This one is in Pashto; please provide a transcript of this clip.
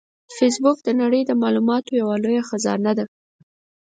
فېسبوک د نړۍ د معلوماتو یوه لویه خزانه ده